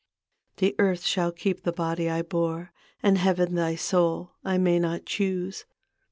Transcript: " The earth shall keep the body I bore, And Heaven thy soul. I may not dioose.